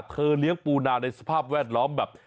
เลี้ยงปูนาในสภาพแวดล้อมแบบ